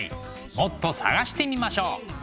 もっと探してみましょう。